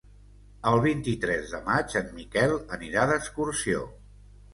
El vint-i-tres de maig en Miquel anirà d'excursió.